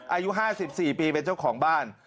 อายุ๕๔ปีเป็นเจ้าของบ้าน